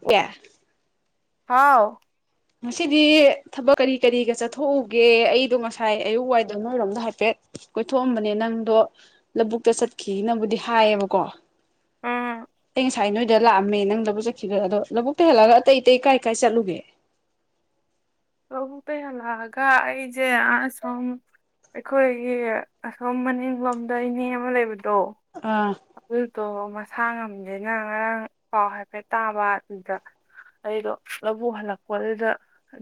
ꯇꯦ [unintelligible] ꯍꯥꯎ ꯉꯁꯤꯗꯤ ꯊꯕꯛ ꯀꯔꯤ ꯀꯔꯤꯒ ꯆꯠꯊꯣꯛꯎꯒꯦ ꯑꯩꯗꯣ ꯉꯁꯥꯏ ꯑꯌꯨꯛ ꯋꯥꯏꯗꯣ ꯅꯣꯏꯔꯣꯝꯗ ꯍꯥꯏꯐꯦꯠ ꯀꯣꯏꯊꯣꯛꯑꯝꯕꯅꯦ ꯅꯪꯗꯣ ꯂꯧꯕꯨꯛꯇ ꯆꯠꯈꯤꯅꯕꯨꯗꯤ ꯍꯥꯏꯌꯦꯕꯀꯣ ꯎꯝ ꯑꯩ ꯉꯁꯥꯏ ꯅꯣꯏꯗ ꯂꯥꯛꯑꯝꯃꯦ ꯅꯪ ꯂꯧꯕꯨꯛ ꯆꯠꯈꯤꯕꯗ ꯑꯗꯣ ꯂꯧꯕꯛꯇꯒꯤ ꯍꯜꯂꯛꯑꯒ ꯑꯇꯩ ꯑꯇꯩ ꯀꯥꯏ ꯀꯥꯏ ꯆꯠꯂꯨꯒꯦ ꯂꯥꯕꯨꯛꯇꯒꯤ ꯍꯜꯂꯛꯑꯒ ꯑꯩꯖꯦ ꯑꯥ ꯁꯣꯝ ꯑꯩꯈꯣꯏꯒꯤ ꯑꯁꯣꯝ ꯃꯅꯤꯡꯂꯣꯝꯗ ꯏꯅꯦ ꯑꯃ ꯂꯩꯕꯗꯣ ꯑꯥ ꯑꯗꯨꯗꯣ ꯃꯁꯥ ꯉꯝꯗꯦꯅ ꯉꯔꯥꯡ ꯄꯥꯎ ꯍꯥꯏꯐꯦꯠ ꯇꯥꯕ ꯑꯗꯨꯗ ꯑꯩꯗꯣ ꯂꯧꯕꯨꯛ ꯍꯜꯂꯛꯄ ꯑꯗꯨꯗ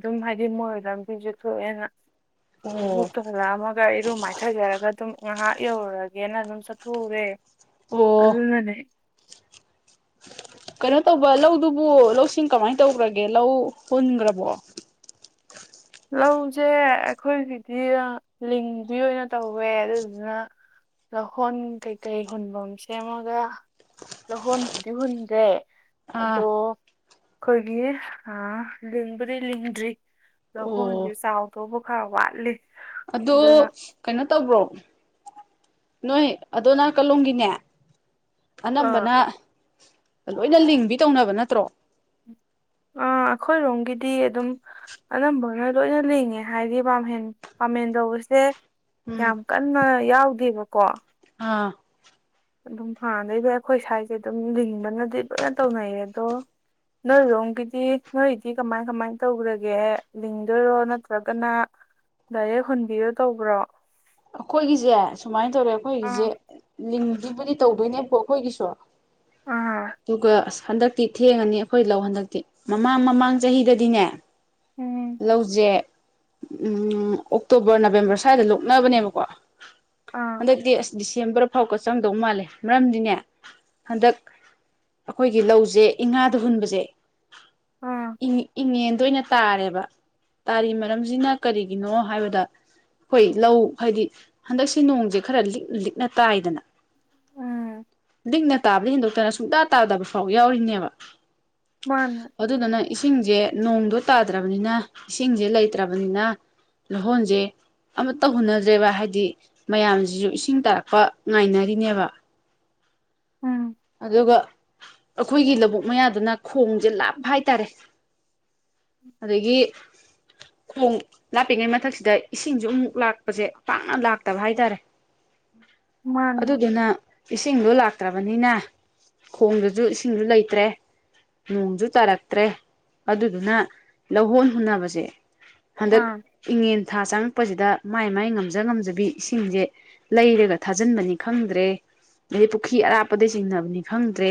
ꯑꯗꯨꯝ ꯍꯥꯏꯗꯤ ꯃꯣꯏꯗ ꯂꯝꯕꯤꯁꯨ ꯊꯣꯛꯑꯦꯅ ꯑꯣ ꯑꯕꯣꯛꯇꯣ ꯍꯜꯂꯛꯑꯃꯒ ꯏꯔꯨ ꯃꯥꯏꯊꯖꯔꯒ ꯑꯗꯨꯝ ꯉꯥꯏꯍꯥꯛ ꯌꯧꯔꯨꯔꯒꯦꯅ ꯑꯗꯨꯝ ꯆꯠꯊꯣꯛꯎꯔꯦ ꯑꯣ ꯑꯗꯨꯅꯅꯦ ꯀꯩꯅꯣ ꯇꯧꯕ ꯂꯧꯗꯨꯕꯨ ꯂꯧꯁꯤꯡ ꯀꯃꯥꯏꯅ ꯇꯧꯈ꯭ꯔꯒꯦ ꯂꯧ ꯍꯨꯟꯈ꯭ꯔꯕꯣ ꯂꯧꯁꯦ ꯑꯩꯈꯣꯏꯒꯤꯗꯤ ꯂꯤꯡꯕꯤ ꯑꯣꯏꯅ ꯇꯧꯋꯦ ꯑꯗꯨꯗꯨꯅ ꯂꯧꯍꯣꯟ ꯀꯩꯀꯩ ꯍꯨꯟꯐꯝ ꯁꯦꯝꯃꯒ ꯂꯧꯍꯣꯟꯕꯨꯗꯤ ꯍꯨꯟꯒ꯭ꯔꯦ ꯑꯥ ꯑꯗꯣ ꯑꯩꯈꯣꯏꯒꯤ ꯑ ꯂꯤꯡꯕꯨꯗꯤ ꯂꯤꯡꯗ꯭ꯔꯤ ꯂꯧꯍꯣꯟꯗꯤ ꯑꯣ ꯆꯥꯎꯗꯧꯕ ꯈꯔ ꯋꯥꯠꯂꯤ ꯑꯗꯣ ꯑꯗꯨꯅ ꯀꯩꯅꯣ ꯇꯧꯕ꯭ꯔꯣ ꯅꯣꯏ ꯑꯗꯣꯟ ꯅꯥꯀꯂꯣꯝꯒꯤꯅꯦ ꯑꯥ ꯑꯅꯝꯕꯅ ꯂꯣꯏꯅ ꯂꯤꯡꯕꯤ ꯇꯧꯅꯕ ꯅꯠꯇ꯭ꯔꯣ ꯑꯥ ꯑꯩꯈꯣꯏꯔꯣꯝꯒꯤꯗꯤ ꯑꯗꯨꯝ ꯑꯅꯝꯕꯅ ꯂꯣꯏꯅ ꯂꯤꯡꯉꯦ ꯍꯥꯏꯗꯤ ꯄꯥꯝꯍꯦꯟ ꯄꯥꯝꯃꯦꯟ ꯇꯧꯕꯁꯦ ꯎꯝ ꯌꯥꯝ ꯀꯟꯅ ꯌꯥꯎꯗꯦꯕꯀꯣ ꯑꯥ ꯑꯗꯨꯝ ꯍꯥꯟꯅꯩꯕ ꯑꯩꯈꯣꯏ ꯁ꯭ꯋꯥꯏꯖꯦ ꯑꯗꯨꯝ ꯂꯤꯡꯕꯅꯗꯤ ꯂꯣꯏꯅ ꯇꯧꯅꯩꯌꯦ ꯑꯗꯣ ꯅꯣꯏꯔꯣꯝꯒꯤꯗꯤ ꯅꯣꯏꯗꯤ ꯀꯃꯥꯏ ꯀꯃꯥꯏ ꯇꯧꯒ꯭ꯔꯥꯒꯦ ꯂꯤꯡꯗꯣꯏꯔꯣ ꯅꯠꯇ꯭ꯔꯥꯒꯅ ꯗꯥꯏꯔꯦꯛ ꯍꯨꯟꯕꯤꯗꯣ ꯇꯧꯕ꯭ꯔꯣ ꯑꯈꯣꯏꯒꯤꯁꯦ ꯁꯨꯃꯥꯏꯅ ꯇꯧꯔꯦ ꯑꯥ ꯑꯈꯣꯏꯒꯤꯖꯦ ꯂꯤꯡꯗꯨꯕꯨꯗꯤ ꯇꯧꯗꯣꯏꯅꯦꯀꯣ ꯑꯈꯣꯏꯒꯤꯁꯨ ꯑꯥ ꯑꯗꯨꯒ ꯑꯁ ꯍꯟꯗꯛꯇꯤ ꯊꯦꯡꯉꯅꯤ ꯑꯈꯣꯏ ꯂꯧ ꯍꯟꯗꯛꯇꯤ ꯃꯃꯥꯡ ꯃꯃꯥꯡ ꯆꯍꯤꯗꯗꯤꯅꯦ ꯎꯝ ꯂꯧꯖꯦ ꯎꯝ ꯑꯣꯛꯇꯣꯕꯔ ꯅꯕꯦꯝꯕꯔ ꯁ꯭ꯋꯥꯏꯗ ꯂꯣꯛꯅꯕꯅꯦꯕꯀꯣ ꯑꯥ ꯍꯟꯗꯛꯇꯤ ꯑꯁ ꯗꯤꯁꯦꯝꯕꯔ ꯐꯥꯎꯀꯥ ꯆꯪꯗꯧ ꯃꯥꯜꯂꯦ ꯃꯔꯝꯗꯤꯅꯦ ꯍꯟꯗꯛ ꯑꯈꯣꯏꯒꯤ ꯂꯧꯖꯦ ꯏꯉꯥꯗ ꯍꯨꯟꯕꯖꯦ ꯑꯥ ꯏꯪ ꯏꯪꯉꯦꯟꯗ ꯑꯣꯏꯅ ꯇꯥꯔꯦꯕ ꯇꯥꯔꯤ ꯃꯔꯝꯖꯤꯅ ꯀꯔꯤꯒꯤꯅꯣ ꯍꯥꯏꯕꯗ ꯈꯣꯏ ꯂꯧ ꯍꯥꯏꯗꯤ ꯍꯟꯗꯛꯁꯤ ꯅꯣꯡꯖꯦ ꯈꯔ ꯂꯤꯛꯅ ꯂꯤꯛꯅ ꯇꯥꯏꯗꯅ ꯎꯝ ꯂꯤꯛꯅ ꯇꯥꯕꯗꯩ ꯍꯦꯟꯗꯣꯛꯇꯅ ꯁꯨꯡꯇꯥ ꯇꯥꯗꯕ ꯐꯥꯎ ꯌꯥꯎꯔꯤꯅꯦꯕ ꯃꯥꯅꯦ ꯑꯗꯨꯗꯨꯅ ꯏꯁꯤꯡꯖꯦ ꯅꯣꯡꯗꯣ ꯇꯥꯗ꯭ꯔꯥꯕꯅꯤꯅ ꯏꯁꯤꯡꯖꯦ ꯂꯩꯇ꯭ꯔꯥꯕꯅꯤꯅ ꯂꯧꯍꯣꯟꯖꯦ ꯑꯃꯠꯇꯥ ꯍꯨꯟꯅꯗ꯭ꯔꯦꯕ ꯍꯥꯏꯗꯤ ꯃꯌꯥꯝꯖꯤꯁꯨ ꯏꯁꯤꯡ ꯇꯥꯔꯛꯄ ꯉꯥꯏꯅꯔꯤꯅꯦꯕ ꯎꯝ ꯑꯗꯨꯒ ꯑꯈꯣꯏꯒꯤ ꯂꯧꯕꯨꯛ ꯃꯌꯥꯗꯨꯅ ꯈꯣꯡꯖꯦ ꯂꯥꯞꯄ ꯍꯥꯏꯇꯥꯔꯦ ꯑꯗꯒꯤ ꯈꯣꯡ ꯂꯥꯞꯄꯤꯉꯩ ꯃꯊꯛꯁꯤꯗ ꯏꯁꯤꯡꯖꯨ ꯑꯃꯨꯛ ꯂꯥꯛꯄꯖꯦ ꯄꯥꯛꯅ ꯂꯥꯛꯇꯕ ꯍꯥꯏꯇꯥꯔꯦ ꯃꯥꯅꯦ ꯑꯗꯨꯗꯨꯅ ꯏꯁꯤꯡꯗꯣ ꯂꯥꯛꯇ꯭ꯔꯥꯕꯅꯤꯅ ꯈꯣꯡꯗꯨꯖꯨ ꯏꯁꯤꯡꯖꯨ ꯂꯩꯇ꯭ꯔꯦ ꯅꯣꯡꯖꯨ ꯇꯥꯔꯛꯇ꯭ꯔꯦ ꯑꯗꯨꯗꯨꯅ ꯂꯧꯍꯣꯟ ꯍꯨꯟꯅꯕꯁꯦ ꯍꯟꯗꯛ ꯑꯥ ꯏꯉꯦꯟ ꯊꯥ ꯆꯪꯉꯛꯄꯖꯤꯗ ꯃꯥꯏ ꯃꯥꯏ ꯉꯝꯖ ꯉꯝꯖꯕꯤ ꯏꯁꯤꯡꯖꯦ ꯂꯩꯔꯒ ꯊꯥꯖꯤꯟꯕꯅꯤ ꯈꯪꯗ꯭ꯔꯦ ꯅꯩ ꯄꯨꯈ꯭ꯔꯤ ꯑꯔꯥꯞꯄꯗꯩ ꯆꯤꯡꯅꯕꯅꯤ ꯈꯪꯗ꯭ꯔꯦ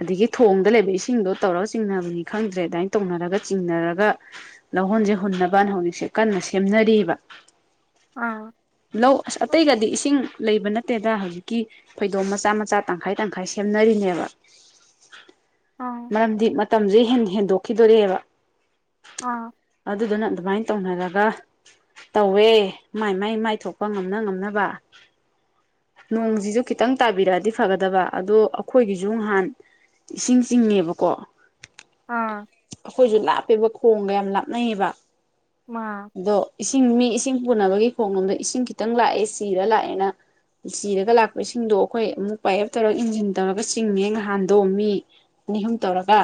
ꯑꯗꯒꯤ ꯊꯣꯡꯗ ꯂꯩꯕ ꯏꯁꯤꯡꯗꯣ ꯇꯧꯔꯒ ꯆꯤꯡꯅꯕꯅꯤ ꯈꯪꯗ꯭ꯔꯦ ꯑꯗꯥꯏꯟ ꯇꯧꯅꯔꯒ ꯆꯤꯡꯅꯔꯒ ꯂꯧꯍꯣꯟꯖꯦ ꯍꯨꯟꯅꯕꯅ ꯍꯧꯖꯤꯛꯁꯦ ꯀꯟꯅ ꯁꯦꯝꯅꯔꯤꯕ ꯑꯥ ꯂꯧ ꯑꯁ ꯑꯇꯩꯒꯥꯗꯤ ꯏꯁꯤꯡ ꯂꯩꯕ ꯅꯠꯇꯦꯗ ꯍꯧꯖꯤꯛꯀꯤ ꯐꯩꯗꯣꯝ ꯃꯆꯥ ꯃꯆꯥ ꯇꯪꯈꯥꯏ ꯇꯪꯈꯥꯏ ꯁꯦꯝꯅꯔꯤꯅꯦꯕ ꯑꯥꯎ ꯃꯔꯝꯗꯤ ꯃꯇꯝꯖꯦ ꯍꯦꯟ ꯍꯦꯟꯗꯣꯛꯈꯤꯗꯣꯔꯦꯕ ꯑꯥ ꯑꯗꯨꯗꯨꯅ ꯑꯗꯨꯃꯥꯏꯟ ꯇꯧꯅꯔꯒ ꯇꯧꯋꯦ ꯃꯥꯏ ꯃꯥꯏ ꯃꯥꯏ ꯊꯣꯛꯄ ꯉꯝꯅ ꯉꯝꯅꯕ ꯑꯥ ꯅꯣꯡꯖꯤꯖꯨ ꯈꯤꯇꯪ ꯇꯥꯕꯤꯔꯛꯑꯗꯤ ꯐꯒꯗꯕ ꯑꯗꯣ ꯑꯈꯣꯏꯒꯤꯖꯨ ꯉꯍꯥꯟ ꯏꯁꯤꯡ ꯆꯤꯡꯉꯦꯕꯀꯣ ꯑꯥ ꯑꯈꯣꯏꯖꯨ ꯂꯥꯞꯄꯦꯕ ꯈꯣꯡꯒꯥ ꯌꯥꯝ ꯂꯥꯞꯅꯩꯑꯕ ꯃꯥ ꯑꯗꯣ ꯏꯁꯤꯡ ꯃꯤ ꯏꯁꯤꯡ ꯄꯨꯅꯕꯒꯤ ꯈꯣꯡꯂꯣꯝꯗ ꯏꯁꯤꯡ ꯈꯤꯇꯪ ꯂꯥꯛꯑꯦ ꯆꯤꯔ ꯂꯥꯛꯑꯦꯅ ꯆꯤꯔꯒ ꯂꯥꯛꯄ ꯏꯁꯤꯡꯗꯣ ꯑꯈꯣꯏ ꯑꯃꯨꯛ ꯄꯥꯏꯌꯦꯞ ꯇꯧꯔ ꯏꯟꯖꯤꯟ ꯇꯧꯔꯒ ꯆꯤꯡꯉꯦ ꯉꯍꯥꯟꯗꯣ ꯃꯤ ꯑꯅꯤ ꯑꯍꯨꯝ ꯇꯧꯔꯒ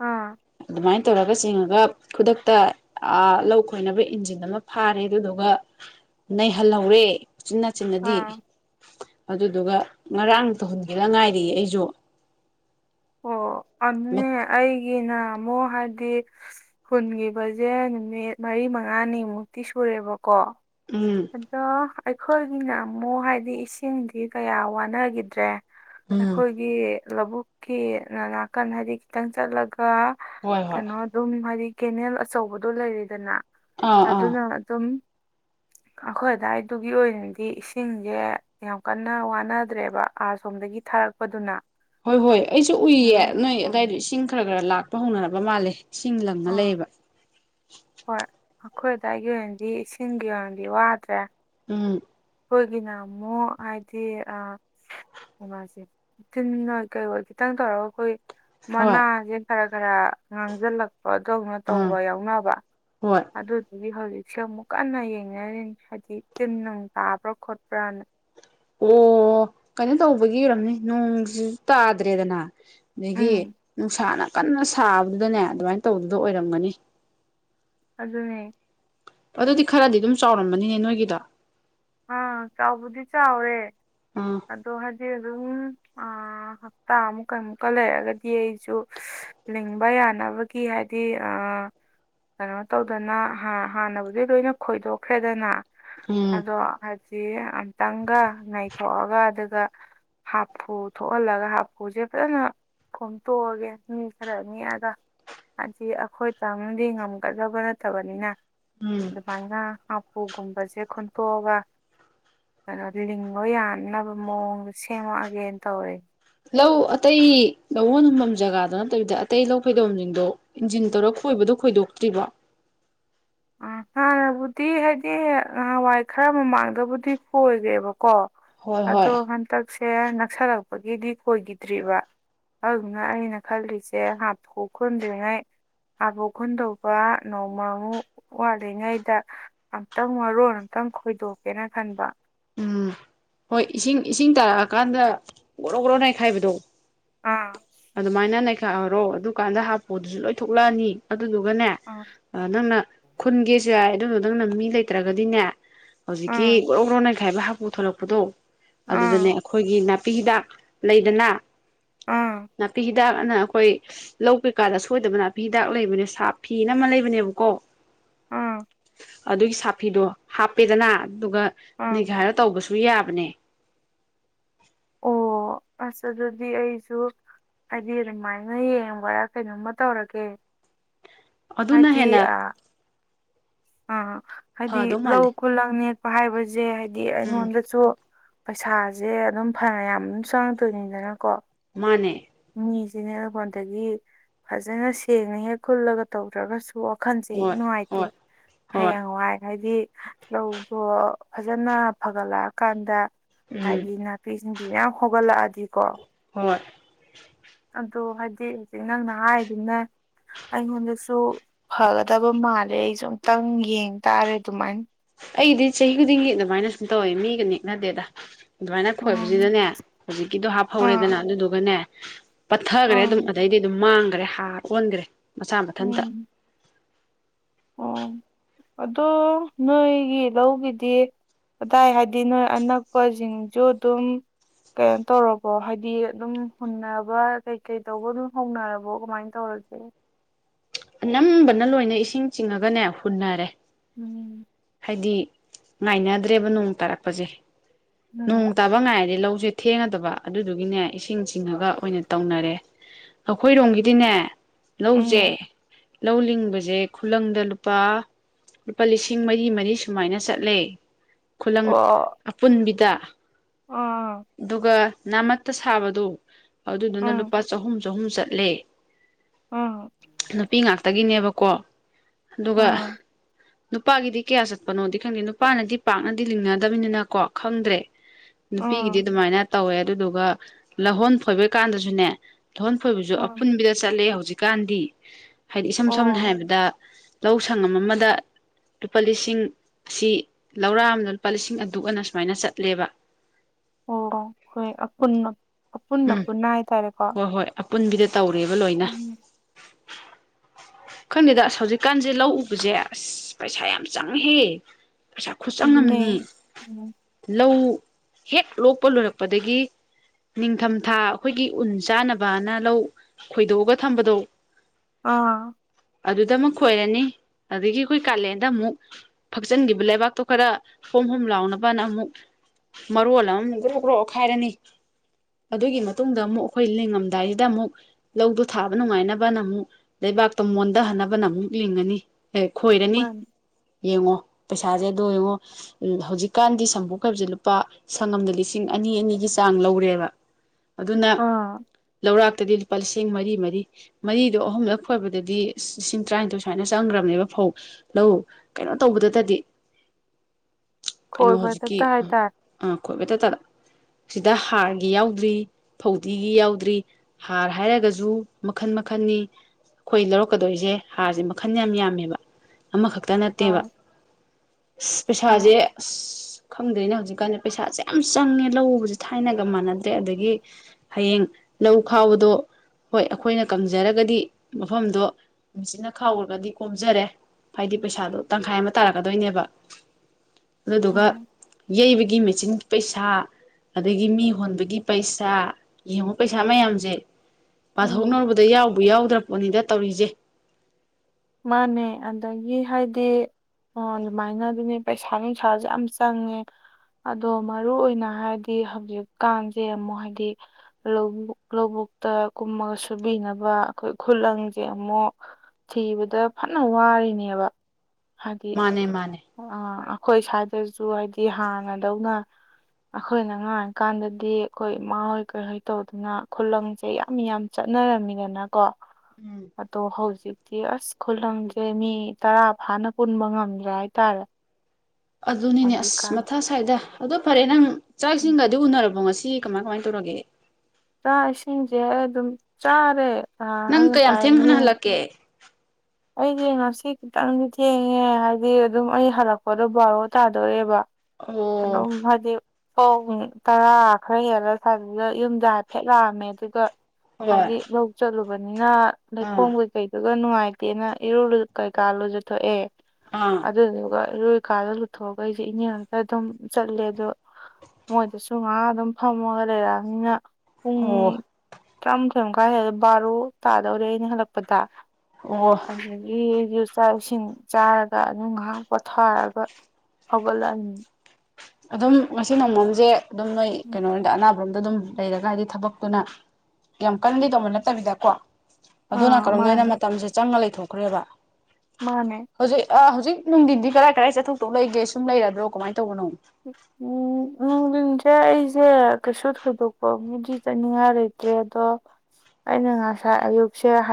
ꯑꯥ ꯑꯗꯨꯃꯥꯏꯟ ꯇꯧꯔꯒ ꯆꯤꯡꯉꯒ ꯈꯨꯗꯛꯇꯥ ꯑꯥ ꯂꯧ ꯈꯣꯏꯅꯕ ꯏꯟꯖꯤꯟ ꯑꯃ ꯐꯥꯔꯦ ꯑꯗꯨꯗꯨꯒ ꯅꯩꯍꯜꯍꯧꯔꯦ ꯎꯆꯤꯟ ꯅꯆꯤꯟꯅꯗꯤ ꯑꯥ ꯑꯗꯨꯗꯨꯒ ꯉꯔꯥꯡꯇ ꯍꯨꯟꯒꯤꯗ ꯉꯥꯏꯔꯤ ꯑꯩꯖꯨ ꯑꯣ ꯑꯗꯨꯅꯦ ꯑꯩꯒꯤꯅ ꯑꯃꯨꯛ ꯍꯥꯏꯗꯤ ꯍꯨꯟꯒꯤꯕꯖꯦ ꯅꯨꯃꯤꯠ ꯃꯔꯤ ꯃꯉꯥꯅꯤꯃꯨꯛꯇꯤ ꯁꯨꯔꯦꯕꯀꯣ ꯎꯝ ꯑꯗꯣ ꯑꯩꯈꯣꯏꯒꯤꯅ ꯑꯃꯨꯛ ꯍꯥꯏꯗꯤ ꯏꯁꯤꯡꯗꯤ ꯀꯌꯥ ꯋꯥꯅꯒꯤꯗ꯭ꯔꯦ ꯎꯝ ꯑꯩꯈꯣꯏꯒꯤ ꯂꯧꯕꯨꯛꯀꯤ ꯅꯥꯀꯟ ꯍꯥꯏꯗꯤ ꯈꯤꯇꯪ ꯆꯠꯂꯒ ꯍꯣꯏ ꯍꯣꯏ ꯀꯩꯅꯣ ꯑꯗꯨꯝ ꯍꯥꯏꯗꯤ ꯀꯦꯅꯦꯜ ꯑꯆꯧꯕꯗꯣ ꯂꯩꯔꯦꯗꯅ ꯑꯥ ꯑꯥ ꯑꯗꯨꯅ ꯑꯗꯨꯝ ꯑꯩꯈꯣꯏ ꯑꯗꯨꯗꯥꯋꯥꯏꯗꯨꯒꯤ ꯑꯣꯏꯅꯗꯤ ꯏꯁꯤꯡꯖꯦ ꯌꯥꯝ ꯀꯟꯅ ꯋꯥꯅꯗ꯭ꯔꯦꯕ ꯑꯥ ꯁꯣꯝꯗꯒꯤ ꯊꯥꯔꯛꯄꯗꯨꯅ ꯍꯣꯏ ꯍꯣꯏ ꯑꯩꯁꯨ ꯑꯗꯨꯅ ꯎꯏꯌꯦ ꯅꯣꯏ ꯑꯗꯥꯏꯗꯣ ꯑꯃꯨꯛ ꯏꯁꯤꯡ ꯈꯔ ꯈꯔ ꯂꯥꯛꯄ ꯍꯧꯅꯔꯕ ꯃꯥꯜꯂꯦ ꯏꯁꯤꯡ ꯂꯪꯉ ꯑꯥ ꯂꯩꯌꯦꯕ ꯍꯣꯏ ꯑꯩꯈꯣꯏ ꯑꯗ꯭ꯋꯥꯏꯒꯤ ꯑꯣꯏꯅꯗꯤ ꯏꯁꯤꯡꯒꯤ ꯑꯣꯏꯅꯗꯤ ꯋꯥꯗ꯭ꯔꯦ ꯎꯝ ꯑꯩꯈꯣꯏꯒꯤꯅ ꯑꯃꯨꯛ ꯍꯥꯏꯗꯤ ꯑꯥ ꯃꯉꯁꯦ ꯇꯤꯟꯅ ꯀꯩꯑꯣꯏ ꯈꯤꯇꯪ ꯇꯧꯔꯒ ꯑꯩꯈꯣꯏ ꯍꯣꯏ ꯃꯅꯥꯖꯦ ꯈꯔ ꯈꯔ ꯉꯥꯡꯖꯜꯂꯛꯄ ꯑꯇꯧꯕꯅ ꯑꯥ ꯇꯧꯕ ꯌꯥꯎꯅꯕ ꯍꯣꯏ ꯑꯗꯨ ꯑꯗꯨꯗꯒꯤ ꯍꯧꯖꯤꯛꯁꯦ ꯑꯃꯨꯛ ꯀꯟꯅ ꯌꯦꯡꯅꯔꯤꯅꯤ ꯍꯥꯏꯗꯤ ꯇꯤꯟ ꯅꯨꯡ ꯇꯥꯕ꯭ꯔꯥ ꯈꯣꯠꯄ꯭ꯔꯥꯅ ꯑꯣ ꯀꯩꯅꯣ ꯇꯧꯕꯒꯤ ꯑꯣꯏꯔꯝꯅꯤ ꯅꯣꯡꯖꯤꯖꯨ ꯇꯥꯗ꯭ꯔꯦꯗꯅ ꯑꯗꯒꯤ ꯎꯝ ꯅꯨꯡꯁꯥꯅ ꯀꯟꯅ ꯁꯥꯕꯗꯨꯗꯅꯦ ꯑꯗꯨꯃꯥꯏꯅ ꯇꯧꯕꯗꯨ ꯑꯣꯏꯔꯝꯒꯅꯤ ꯑꯗꯨꯅꯦ ꯑꯗꯨꯗꯤ ꯈꯔꯗꯤ ꯑꯗꯨꯝ ꯆꯥꯎꯔꯝꯃꯅꯤꯅꯦ ꯅꯣꯏꯒꯤꯗꯣ ꯑꯥ ꯆꯥꯎꯕꯨꯗꯤ ꯆꯥꯎꯔꯦ ꯑꯝ ꯑꯗꯣ ꯍꯥꯏꯗꯤ ꯑꯗꯨꯝ ꯑꯥ ꯍꯞꯇꯥ ꯑꯃꯨꯛꯀ ꯑꯃꯨꯛꯀ ꯂꯩꯔꯒꯗꯤ ꯑꯩꯖꯨ ꯂꯤꯡꯕ ꯌꯥꯅꯕꯒꯤ ꯍꯥꯏꯗꯤ ꯑꯥ ꯀꯩꯅꯣ ꯇꯧꯗꯅ ꯍꯥꯟꯅꯕꯨꯗꯤ ꯂꯣꯏꯅ ꯈꯣꯏꯗꯣꯛꯈ꯭ꯔꯦꯗꯅ ꯎꯝ ꯑꯗꯣ ꯍꯥꯏꯖꯤ ꯑꯝꯇꯪꯒ ꯅꯩꯊꯣꯛꯑꯒ ꯑꯗꯨꯒ ꯍꯥꯐꯨ ꯊꯣꯛꯍꯜꯂꯒ ꯍꯥꯐꯨꯁꯦ ꯐꯖꯅ ꯈꯣꯝꯇꯣꯛꯑꯒꯦ ꯃꯤ ꯈꯔ ꯅꯦꯛꯑꯒ ꯍꯥꯏꯗꯤ ꯑꯩꯈꯣꯏ ꯄꯥꯡꯅꯗꯤ ꯉꯝꯒꯗꯕ ꯅꯠꯇꯕꯅꯤꯅ ꯎꯝ ꯑꯗꯨꯃꯥꯏꯅ ꯍꯥꯄꯨꯒꯨꯝꯕꯁꯦ ꯈꯨꯟꯇꯣꯛꯑꯒ ꯀꯩꯅꯣ ꯂꯤꯡꯕ ꯌꯥꯅꯅꯕ ꯃꯑꯣꯡꯗꯣ ꯁꯦꯝꯃꯛꯑꯒꯦꯅ ꯇꯧꯔꯤ ꯂꯧ ꯑꯇꯩ ꯂꯧꯍꯣꯟ ꯍꯨꯟꯕꯝ ꯖꯒꯥꯗꯣ ꯅꯠꯇꯕꯤꯗ ꯑꯇꯩ ꯂꯧ ꯐꯩꯗꯣꯝꯖꯤꯡꯗꯣ ꯏꯟꯖꯤꯟ ꯇꯧꯔ ꯈꯣꯏꯕꯗꯣ ꯈꯣꯏꯗꯣꯛꯇ꯭ꯔꯤꯕꯣ ꯑꯥ ꯍꯥꯟꯅꯕꯨꯗꯤ ꯍꯥꯏꯗꯤ ꯅꯍꯥꯟꯋꯥꯏ ꯈꯔ ꯃꯃꯥꯡꯗꯕꯨꯗꯤ ꯈꯣꯏꯒ꯭ꯔꯦꯕꯀꯣ ꯍꯣꯏ ꯍꯣꯏ ꯑꯗꯣ ꯍꯟꯇꯛꯁꯦ ꯅꯛꯁꯜꯂꯛꯄꯒꯤꯗꯤ ꯈꯣꯏꯒꯤꯗ꯭ꯔꯤꯕ ꯑꯗꯨꯗꯨꯅ ꯑꯩꯅ ꯈꯜꯂꯤꯁꯦ ꯍꯥꯄꯨ ꯈꯨꯟꯗ꯭ꯔꯤꯉꯩ ꯍꯥꯄꯨ ꯈꯨꯟꯗꯧꯕ ꯅꯣꯡꯃꯃꯨꯛ ꯋꯥꯠꯂꯤꯉꯩꯗ ꯑꯝꯇꯪ ꯃꯔꯣꯟ ꯑꯝꯇꯪ ꯈꯣꯏꯗꯣꯛꯀꯦꯅ ꯈꯟꯕ ꯎꯝ ꯍꯣꯏ ꯏꯁꯤꯡ ꯏꯁꯤꯡ ꯇꯥꯔꯛꯑꯀꯥꯟꯗ ꯒ꯭ꯔꯣ ꯒꯣꯔꯣ ꯅꯩꯈꯥꯏꯕꯗꯣ ꯑꯥ ꯑꯗꯨꯃꯥꯏꯅ ꯅꯩꯈꯥꯏꯍꯧꯔꯣ ꯑꯗꯨꯀꯥꯟꯗ ꯍꯥꯄꯨꯗꯨꯖꯨ ꯂꯣꯏ ꯊꯣꯛꯂꯛꯑꯅꯤ ꯑꯗꯨꯗꯨꯒꯅꯦ ꯑꯥ ꯅꯪꯅ ꯈꯨꯟꯒꯦꯖꯨ ꯌꯥꯏ ꯃꯤ ꯂꯩꯇ꯭ꯔꯒꯗꯤꯅꯦ ꯍꯧꯖꯤꯛꯀꯤ ꯑꯥ ꯒ꯭ꯔꯣ ꯒ꯭ꯔꯣ ꯅꯩꯈꯥꯏꯕ ꯍꯥꯄꯨ ꯊꯣꯛꯂꯛꯄꯗꯣ ꯑꯗꯨꯗꯅꯦ ꯑꯥ ꯑꯈꯣꯏꯒꯤ ꯅꯥꯄꯤ ꯍꯤꯗꯥꯛ ꯂꯩꯗꯅ ꯑꯥ ꯅꯥꯄꯤ ꯍꯤꯗꯥꯛ ꯑꯅ ꯑꯈꯣꯏ ꯂꯧ ꯀꯩꯀꯥꯗ ꯁꯣ ꯑ‌ꯣꯏꯗꯕ ꯅꯥꯄꯤ ꯍꯤꯗꯥꯛ ꯂꯩꯕꯅꯦ ꯁꯥꯞ ꯐꯤꯅ ꯑꯃꯥ ꯂꯩꯕꯅꯦꯕꯀꯣ ꯑꯥ ꯑꯗꯨꯒꯤ ꯁꯥꯐꯤꯗꯣ ꯍꯥꯞꯄꯦꯗꯅ ꯗꯨꯒ ꯑꯥ ꯅꯩꯒꯥꯏꯔ ꯇꯧꯕꯁꯨ ꯌꯥꯕꯅꯦ ꯑꯣ ꯑꯁ ꯑꯗꯨꯗꯤ ꯑꯩꯁꯨ ꯍꯥꯏꯗꯤ ꯑꯗꯨꯃꯥꯏꯅ ꯌꯦꯡꯕꯔ ꯀꯩꯅꯣꯝꯃ ꯇꯧꯔꯒꯦ ꯑꯗꯨꯅ ꯍꯥꯏꯗꯤ ꯍꯦꯟꯅ ꯑ ꯑꯥ ꯍꯥꯏꯗꯤ ꯐꯗꯧ ꯂꯧ ꯃꯥꯜꯂꯦ ꯀꯨꯂꯪ ꯅꯦꯛꯄ ꯍꯥꯏꯕꯖ‌ꯦ ꯍꯥꯏꯗꯤ ꯎꯝ ꯑꯩꯉꯣꯟꯗꯁꯨ ꯄꯩꯁꯥꯖ‌ꯦ ꯑꯗꯨꯝ ꯐꯅ ꯌꯥꯝ ꯑꯗꯨꯝ ꯆꯉꯛ ꯇꯣꯏꯅꯤ ꯗꯅꯀꯣ ꯃꯥꯅꯦ ꯃꯤ ꯖꯤꯅꯔ‌ꯦꯜ ꯐ‌ꯣꯟꯗꯒꯤ ꯐꯖꯅ ꯁꯦꯡꯅ ꯍꯦꯛ ꯈꯨꯜꯂꯒ ꯇꯧꯗ꯭ꯔꯒꯁꯨ ꯈꯟꯁꯦ ꯍꯣꯏ ꯅꯨꯉꯥꯏꯇꯦ ꯍꯣꯏ ꯍꯣꯏ ꯍꯌꯦꯡꯋꯥꯏ ꯍꯥꯏꯗꯤ ꯂꯧꯗꯣ ꯐꯖꯅ ꯐꯒꯠ ꯂꯛꯑꯀꯥꯟꯗ ꯎꯝ ꯍꯥꯏꯗꯤ ꯅ ꯄꯤ ꯁꯤꯡꯕꯤ ꯃꯌꯥꯝ ꯍꯧꯒꯠꯂ ꯑꯗꯤ ꯀꯣ ꯃ‌ꯣꯏ ꯑꯗꯣ ꯍꯥꯏꯗꯤ ꯍꯧꯖꯤꯛ ꯅꯪꯅ ꯍꯥꯏꯗꯨꯅ ꯑꯩꯉꯣꯟꯗꯁꯨ ꯐꯒꯗꯕ ꯃꯥꯜꯂꯦ ꯑꯩꯁꯨ ꯑꯃꯨꯛꯇꯪ ꯌꯦꯡ ꯇꯥꯔꯦ ꯗꯨꯃꯥꯏꯟ ꯑꯩꯗꯤ ꯆꯍꯤ ꯈꯨꯗꯤꯡꯒꯤ ꯑꯗꯨꯃꯥꯏꯅ ꯁꯨꯝ ꯇꯧꯋꯦ ꯃꯤꯒ ꯅꯦꯛꯅꯗꯦꯗ ꯗꯨꯃꯥꯏꯅ ꯑꯥ ꯈꯣꯏꯕꯖꯤꯗꯅꯦ ꯍꯧꯖꯤꯛꯀꯤꯗꯣ ꯑꯥ ꯍꯥꯞꯐꯧꯔꯦꯗꯅ ꯑꯗꯨꯗꯨꯒꯅꯦ ꯄꯠꯊꯒ꯭ꯔꯦ ꯑꯥ ꯑꯗꯨꯝ ꯑꯗꯩꯗꯤ ꯑꯗꯨꯝ ꯃꯥꯡꯒ꯭ꯔꯦ ꯍꯥꯔ ꯑꯣꯟꯒ꯭ꯔꯦ ꯃꯁꯥ ꯃꯊꯟꯇ ꯎꯝ ꯑꯣ [inaudible] ꯑꯗꯣ ꯅꯣꯏꯒꯤ ꯂꯧꯒꯤꯗꯤ ꯀꯗꯥꯏ ꯍꯥꯏꯗꯤ ꯅꯣꯏ ꯑꯅꯛꯄꯖꯤꯡꯖꯨ ꯑꯗꯨꯝ ꯀ‌ꯦꯝ ꯇꯧꯔꯕꯣ ꯍꯥꯏꯗꯤ ꯑꯗꯨꯝ ꯍꯨꯟꯅꯕ ꯀꯩꯀꯩ ꯇꯧꯕ ꯑꯗꯨꯝ ꯍꯧꯅꯔꯕꯣ ꯀꯃꯥꯏꯟ ꯇꯧꯔꯒ‌ꯦ ꯑꯅꯝꯕꯅ ꯂꯣꯏꯅ ꯏꯁꯤꯡ ꯆꯤꯡꯉꯒꯅꯦ ꯐꯨꯟꯅꯔꯦ ꯎꯝ ꯑꯩꯗꯤ ꯉꯥꯏꯅꯗ꯭ꯔꯦꯕ ꯅꯣꯡ ꯇꯥꯔꯛꯄꯖ‌ꯦ ꯅ‌ꯣꯡ ꯎꯝ ꯇꯥꯕ ꯉꯥꯏꯔꯗꯤ ꯂꯧꯖ‌ꯦ ꯊꯦꯡꯉꯗꯕ ꯑꯗꯨꯗꯨꯒꯤꯅꯦ ꯏꯁꯤꯡ ꯆꯤꯡꯉꯒ ꯑꯣꯏꯅ ꯇꯧꯅꯔꯦ ꯑꯈꯣꯏ ꯔꯣꯝꯒꯤꯗꯤꯅꯦ ꯂꯧꯖ‌ꯦ ꯎꯝ ꯂꯧ ꯂꯤꯡꯕꯖ‌ꯦ ꯈꯨꯂꯪꯗ ꯂꯨꯄꯥ ꯂꯨꯄꯥ ꯂꯤꯁꯤꯡ ꯃꯔꯤ ꯃꯔꯤ ꯁꯨꯃꯥꯏꯅ ꯆꯠꯂꯦ ꯈꯨꯂꯪ ꯑꯣ ꯑꯄꯨꯟꯕꯤꯗ ꯑꯥ ꯗꯨꯒ ꯅꯥꯃꯠꯇ ꯁꯥꯕꯗꯣ ꯑꯗꯨꯗꯨꯅ ꯑꯥ ꯂꯨꯄꯥ ꯆꯍꯨꯝ ꯆꯍꯨꯝ ꯆꯠꯂꯦ [unintelligible] ꯄꯤ ꯉꯥꯛꯇꯒꯤ ꯅꯦꯕꯀꯣ ꯑꯗꯨꯒ ꯑꯥ ꯅꯨꯄꯥꯒꯤꯗꯤ ꯀꯌꯥ ꯆꯠꯄꯅꯣꯗꯤ ꯈꯪꯗꯦ ꯅꯨꯄꯥꯅꯗꯤ ꯄꯥꯛꯅꯗꯤ ꯂꯤꯡꯅꯗꯕꯅꯤꯅꯀꯣ ꯈꯪꯗ꯭ꯔꯦ ꯅꯨꯄꯤꯒꯤꯗꯤ ꯑꯥ ꯑꯗꯨꯃꯥꯏꯅ ꯇꯧꯋꯦ ꯑꯗꯨꯗꯨꯒ ꯂꯍꯣꯟ ꯐꯣꯏꯕꯩ ꯀꯥꯟꯗꯖꯨꯅꯦ ꯂꯍ‌ꯣꯟ ꯐꯣꯏꯕꯖꯨ ꯑꯥ ꯑꯄꯨꯟꯕꯤꯗ ꯆꯠꯂꯦ ꯍꯧꯖꯤꯛꯀꯥꯟꯗꯤ ꯍꯥꯏꯗꯤ ꯏꯁꯝ ꯑꯣ ꯁꯝꯅ ꯍꯥꯏꯔꯕꯗ ꯂꯧ ꯁꯪꯉꯝ ꯑꯃꯥꯗ ꯂꯨꯄꯥ ꯂꯤꯁꯤꯡ ꯁꯤ ꯂꯧꯔꯥꯛ ꯑꯝꯗ ꯂꯨꯄꯥ ꯂꯤꯁꯤꯡ ꯑꯗꯨꯛ ꯑꯅ ꯁꯨꯃꯥꯏꯅ ꯆꯠꯂꯦꯕ ꯑꯣ [unintelligible] ꯍꯣꯏ ꯑꯄꯨꯟ ꯑꯄꯨꯟꯅ ꯎꯝ ꯄꯨꯟꯅ ꯍꯥꯏꯇꯥꯔꯦꯀꯣ ꯍꯣꯏ ꯍꯣꯏ ꯑꯄꯨꯟꯕꯤꯗ ꯇꯧꯔꯦꯕ ꯂꯣꯏꯅ ꯎꯝ ꯈꯪꯗꯦꯗ ꯑꯁ ꯍꯧꯖꯤꯛꯀꯥꯟꯖ‌ꯦ ꯂꯧ ꯎꯕꯖ‌ꯦ ꯑꯁ ꯄꯩꯁꯥ ꯌꯥꯝ ꯆꯪꯉꯤꯍꯦ ꯄꯩꯁꯥ ꯈꯨꯠꯆꯪꯑꯝꯅꯤ ꯑꯗꯨꯅꯦ ꯎꯝ ꯂꯧ ꯍꯦꯛ ꯂꯣꯛꯄ ꯂꯣꯏꯔꯛꯄꯗꯒꯤ ꯅꯤꯡꯊꯝꯊꯥ ꯑꯩꯈꯣꯏꯒꯤ ꯎꯟ ꯆꯥꯅꯕꯅ ꯂꯧ ꯈꯣꯏꯗꯣꯛꯑꯒ ꯊꯝꯕꯗꯣ ꯑ ꯑꯗꯨꯗ ꯑꯃꯨꯛ ꯈꯣꯏꯔꯅꯤ ꯑꯗꯨꯗꯒꯤ ꯑꯩꯈꯣꯏ ꯀꯥꯂꯦꯟꯗ ꯑꯃꯨꯛ ꯐꯛꯆꯟꯈꯤꯕ ꯂꯩꯕꯥꯛꯇꯣ ꯈꯔ ꯍꯣꯝ ꯍꯣꯝ ꯂꯥꯎꯅꯕꯅ ꯑꯃꯨꯛ ꯃꯔꯣꯜ ꯑꯃ ꯃꯨꯛ ꯒ꯭ꯔꯣ ꯒ꯭ꯔꯣ ꯑꯣꯠꯈꯥꯏꯔꯅꯤ ꯑꯗꯨꯒꯤ ꯃꯇꯨꯡꯗ ꯑꯃꯨꯛ ꯑꯩꯈꯣꯏ ꯂꯤꯡꯉꯝꯗꯥꯏꯁꯤꯗ ꯑꯃꯨꯛ ꯂꯧꯗꯣ ꯊꯥꯕ ꯅꯨꯡꯉꯥꯏꯅꯕꯅ ꯑꯃꯨꯛ ꯂꯩꯕꯥꯛꯇꯣ ꯃꯣꯟꯊꯍꯟꯅꯕꯅ ꯑꯃꯨꯛ ꯂꯤꯡꯉꯅꯤ ꯑꯦ ꯈꯣꯏꯔꯅꯤ ꯃꯥꯅꯤ ꯌꯦꯡꯉꯣ ꯄꯩꯁꯥꯁꯦ ꯑꯗꯣ ꯌꯦꯡꯉꯣ ꯎꯝ ꯍꯧꯖꯤꯛꯀꯥꯟꯗꯤ ꯁꯝꯄꯣꯠ ꯈꯣꯏꯕꯁꯦ ꯂꯨꯄꯥ ꯁꯪꯉꯝꯗ ꯂꯤꯁꯤꯡ ꯑꯅꯤ ꯑꯅꯤꯒꯤ ꯆꯥꯡꯗ ꯂꯧꯔꯦꯕ ꯑꯗꯨꯅ ꯑꯥ ꯂꯧꯔꯥꯛꯇꯗꯤ ꯂꯨꯄꯥ ꯂꯤꯁꯤꯡ ꯃꯔꯤ ꯃꯔꯤ ꯃꯔꯤꯗꯣ ꯑꯍꯨꯝꯂꯛ ꯈꯣꯏꯕꯗꯗꯤ ꯂꯤꯁꯤꯡ ꯇꯔꯥꯅꯤꯊꯣꯏ ꯁꯨꯃꯥꯏꯅ ꯆꯪꯈ꯭ꯔꯕꯅꯦꯕ ꯐꯧ ꯂꯧ ꯀꯩꯅꯣ ꯇꯧꯕꯗꯇꯗꯤ ꯀꯩꯅꯣ ꯈꯣꯏꯕ ꯍꯧꯖꯤꯛꯀꯤ ꯆꯠꯄ ꯍꯥꯏꯇꯥꯔꯦ ꯑꯥ ꯈꯣꯏꯕ ꯇ ꯇꯗ ꯁꯤꯗ ꯍꯥꯔ ꯒꯤ ꯌꯥꯎꯗ꯭ꯔꯤ ꯐꯧꯗꯤꯒꯤ ꯌꯥꯎꯗ꯭ꯔꯤ ꯍꯥꯔ ꯍꯥꯏꯔꯒꯁꯨ ꯃꯈꯟ ꯃꯈꯟꯅꯤ ꯑꯩꯈꯣꯏ ꯂꯧꯔꯛꯀꯗꯣꯏꯁꯦ ꯍꯥꯔꯁꯦ ꯃꯈꯟ ꯌꯥꯝ ꯌꯥꯝꯃꯦꯕ ꯑꯃꯈꯛꯇ ꯅꯠꯇꯦꯕ ꯑꯥ ꯑꯁ ꯑꯥ ꯄꯩꯁꯥꯁꯦ ꯑꯁ ꯈꯪꯗꯦꯅꯦ ꯍꯧꯖꯤꯛꯀꯥꯟꯗ ꯄꯩꯁꯥꯁꯦ ꯌꯥꯝ ꯆꯪꯉꯦ ꯂꯧ ꯎꯕꯁꯦ ꯊꯥꯏꯅꯒ ꯃꯥꯟꯅꯗ꯭ꯔꯦ ꯑꯗꯒꯤ ꯍꯌꯦꯡ ꯂꯧ ꯈꯥꯎꯕꯗꯣ ꯍꯣꯏ ꯑꯩꯈꯣꯏꯅ ꯀꯪꯖꯔꯒꯗꯤ ꯃꯐꯝꯗꯣ ꯃꯤꯆꯤꯟꯅ ꯈꯥꯎꯔꯒꯗꯤ ꯀꯣꯝꯖꯔꯦ ꯍꯥꯏꯗꯤ ꯄꯩꯁꯥꯗꯣ ꯇꯪꯈꯥꯏ ꯑꯃ ꯇꯥꯔꯛꯀꯗꯣꯏꯅꯦꯕ ꯑꯗꯨꯗꯨꯒ ꯑꯥ ꯌꯩꯕꯒꯤ ꯃꯦꯆꯤꯟ ꯒꯤꯄꯩꯁꯥ ꯑꯗꯒꯤ ꯃꯤ ꯍꯣꯟꯕꯒꯤ ꯒꯤ ꯄꯩꯁꯥ ꯌꯦꯡꯉꯣ ꯄꯩꯁꯥ ꯃꯌꯥꯝꯁꯦ ꯎꯝ ꯄꯥꯊꯣꯛꯅꯔꯨꯕꯗ ꯌꯥꯎꯕꯨ ꯌꯥꯎꯗ꯭ꯔꯝ ꯕꯣꯅꯤꯗ ꯇꯧꯔꯤꯁꯦ ꯃꯥꯅꯦ ꯑꯗꯒꯤ ꯍꯥꯏꯗꯤ ꯑꯣ ꯑꯗꯨꯃꯥꯏꯅ ꯑꯗꯨꯅꯦ ꯄꯩꯁꯥ ꯅꯨꯡꯁꯥꯥꯁꯦ ꯌꯥꯝ ꯆꯪꯉꯦ ꯑꯗꯣ ꯃꯔꯨ ꯑꯣꯏꯅ ꯍꯥꯏꯗꯤ ꯍꯧꯖꯤꯛꯀꯥꯟꯁꯦ ꯑꯃꯨꯛ ꯍꯥꯏꯗꯤ ꯂꯧꯕꯨꯛ ꯂꯧꯕꯨꯛꯇ ꯀꯨꯝꯃꯒ ꯁꯨꯕꯤꯅꯕ ꯑꯩꯈꯣꯏ ꯈꯨꯜꯂꯪꯁꯦ ꯑꯃꯨꯛ ꯊꯤꯕꯗ ꯐꯅ ꯋꯥꯔꯤꯔꯤꯅꯦꯕ ꯍꯥꯏꯗꯤ ꯃꯥꯅꯦ ꯃꯥꯅꯦ ꯑ ꯑꯩꯈꯣꯏ ꯁ꯭ꯋꯥꯏꯗꯁꯨ ꯍꯥꯏꯗꯤ ꯍꯥꯟꯅꯗꯧꯅ ꯑꯩꯈꯣꯏꯅ ꯑꯉꯥꯡ ꯑꯣꯏꯔꯤꯀꯥꯟꯗꯗꯤ ꯑꯩꯈꯣꯏ ꯏꯃꯥ ꯍꯣꯏ ꯀꯩꯍꯣꯏ ꯇꯧꯗꯅ ꯈꯨꯂꯪꯁꯦ ꯌꯥꯝ ꯌꯥꯝ ꯆꯠꯅꯔꯝꯃꯤꯗꯅꯀꯣ ꯎꯝ ꯑꯗꯣ ꯍꯧꯖꯤꯛꯇꯤ ꯑꯁ ꯈꯨꯂꯪꯁꯦ ꯃꯤ ꯇꯔꯥ ꯐꯥꯅ ꯄꯨꯟꯕ ꯉꯝꯗ꯭ꯔꯦ ꯍꯥꯏꯇꯥꯔꯦ ꯑꯗꯨꯅꯤꯅꯦ ꯑꯁ ꯍꯧꯖꯤꯛꯀꯥꯟ ꯃꯊꯥ ꯁꯥꯏꯗ ꯑꯗꯣ ꯐꯔꯦ ꯅꯪ ꯆꯥꯛꯁꯤꯡꯒꯗꯤ ꯎꯅꯔꯕꯣ ꯉꯁꯤ ꯀꯃꯥꯏ ꯀꯃꯥꯏ ꯇꯧꯔꯒꯦ ꯆꯥꯛ ꯏꯁꯤꯡꯁꯦ ꯑꯩ ꯑꯗꯨꯝ ꯆꯥꯔꯦ ꯑꯩ ꯅꯪ ꯀꯌꯥꯝ ꯉꯁꯥꯏ ꯊꯦꯡꯅ ꯏꯅꯤꯡ ꯍꯜꯂꯛꯀꯦ ꯑꯩꯁꯦ ꯉꯁꯤ ꯈꯤꯇꯪꯗꯤ ꯊꯦꯡꯉꯦ ꯍꯥꯏꯗꯤ ꯑꯗꯨꯝ ꯑꯩ ꯍꯜꯂꯛꯄꯗꯣ ꯕꯥꯔꯣ ꯇꯥꯗꯣꯔꯦꯕ ꯑꯣ ꯑꯗꯨꯝ ꯍꯥꯏꯗꯤ ꯄꯨꯡ ꯇꯔꯥ ꯈꯔ ꯍꯦꯜꯂ ꯀꯥꯟꯗꯨꯗ ꯌꯨꯝꯗ ꯍꯥꯏꯐꯦꯠꯂꯛꯑꯝꯃꯦ ꯑꯗꯨꯒ ꯍꯣꯏ ꯍꯥꯏꯗꯤ ꯂꯧ ꯆꯠꯂꯨꯕꯅꯤꯅ ꯂꯩꯈꯣꯝ ꯑꯥ ꯑꯣꯏꯀꯩꯗꯨꯒ ꯅꯨꯡꯉꯥꯏ ꯇꯦꯅ ꯏꯔꯨ ꯀꯩꯀꯥꯂꯨꯖꯊꯣꯛꯑꯦ ꯑꯥ ꯑꯗꯨꯗꯨꯒ ꯏꯔꯨꯀꯥꯗꯣꯂꯨꯊꯣꯛꯑꯒ ꯑꯩꯁꯦ ꯏꯅꯦ ꯍꯣꯏꯗ ꯑꯗꯨꯝ ꯆꯠꯂꯦ ꯑꯗꯣ ꯃꯣꯏꯗꯁꯨ ꯉꯍꯥꯛ ꯑꯗꯨꯝ ꯐꯝꯃꯒ ꯂꯩꯔꯛꯑꯅꯤꯅ ꯑꯣ ꯇꯔꯥꯃꯥꯊꯣꯏ ꯃꯈꯥꯏ ꯍꯦꯜꯂꯦ ꯕꯥꯔꯣ ꯇꯥꯗꯧꯔꯦ ꯑꯩꯅ ꯍꯜꯂꯛꯄꯗ ꯑꯣ ꯑꯗꯨ ꯒꯤ [unintelligible] ꯆꯥꯛ ꯏꯁꯤꯡ ꯆꯥꯔꯒ ꯑꯗꯨ ꯉꯥꯍꯥꯛ ꯄꯣꯊꯥꯔꯒ ꯍꯧꯒꯠꯂꯑꯅꯤ ꯑꯗꯨꯝ ꯉꯁꯤ ꯅꯣꯡꯃꯝꯁꯦ ꯑꯗꯨꯝ ꯅꯣꯏ ꯀꯩꯅꯣ ꯍꯣꯏꯗ ꯑꯅꯥꯕꯔꯣꯝꯗ ꯑꯗꯨꯝ ꯂꯩꯔꯒ ꯍꯥꯏꯗꯤ ꯊꯕꯛꯇꯨꯅ ꯌꯥꯝ ꯀꯟꯒꯗꯕ ꯅꯠꯇꯕꯤꯗꯀꯣ ꯑꯗꯨꯅ ꯑꯥ ꯀꯟꯔꯣꯝꯗ ꯑꯣꯏꯅ ꯃꯥꯅꯦ ꯃꯇꯝꯁꯦ ꯆꯪꯉ ꯂꯩꯊꯣꯛꯈ꯭ꯔꯦꯕ ꯃꯥꯅꯦ ꯍꯧꯖꯤꯛ ꯑꯥ ꯍꯧꯖꯤꯛ ꯅꯨꯡꯊꯤꯟꯗꯤ ꯀꯔꯥꯏ ꯀꯔꯥꯏ ꯆꯠꯊꯣꯛꯇꯧ ꯂꯩꯒꯦ ꯁꯨꯝ ꯂꯩꯔꯗ꯭ꯔꯣ ꯀꯃꯥꯏꯟ ꯇꯧꯕꯅꯣ ꯎꯝ ꯑ ꯅꯨꯡꯊꯤꯟꯖ‌ꯦ ꯑꯩꯁꯦ ꯀꯩꯁꯨ ꯊꯣꯏꯗꯣꯛꯄ ꯕꯨꯗꯤ ꯆꯅꯤꯡꯉꯥꯏ ꯂꯩꯇ꯭ꯔꯦ ꯑꯗꯣ ꯑꯩꯅ ꯉꯁꯥꯏ ꯑꯌꯨꯛꯁꯦ ꯍ